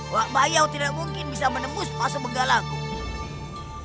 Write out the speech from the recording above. wak bayau tidak mungkin bisa menembus pasu benggalaku